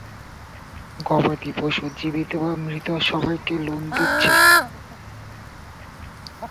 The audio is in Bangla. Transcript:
গবাদি পশু, মানুষ, জীবিত বা মৃত, সবাইকে লোন দিচ্ছে।